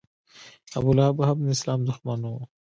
ابولهب هم د اسلام دښمن و.